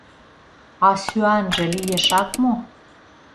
А сӱанже лиешак мо?